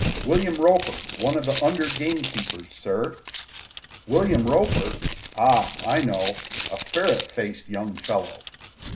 "William Roper, one of the under gamekeepers, sir." "William Roper? Ah, I know a ferret faced young fellow."